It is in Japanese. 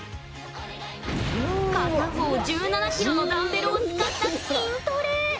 片方１７ｋｇのダンベルを使った筋トレ。